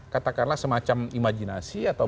katakanlah semacam imajinasi atau